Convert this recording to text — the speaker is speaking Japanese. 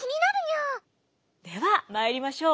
ではまいりましょう。